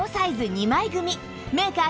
２枚組メーカー